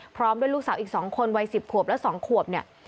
พร้อมด้วยลูกสาวอีก๒คนวัย๑๐ขวบและ๒ขวบเนี่ย